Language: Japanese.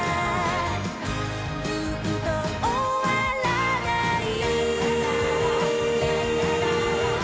「ずっと終わらない」